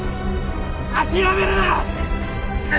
諦めるな！